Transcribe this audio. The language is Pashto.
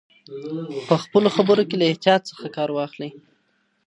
په خپلو خبرو کې له احتیاط څخه کار واخلئ.